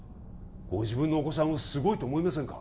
ご自分のお子さんをすごいと思いませんか？